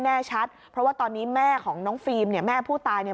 แน่ชัดเพราะว่าตอนนี้แม่ของน้องฟิล์มเนี่ยแม่ผู้ตายเนี่ย